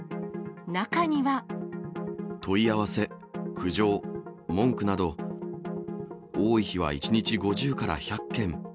問い合わせ、苦情、文句など、多い日は１日５０から１００件。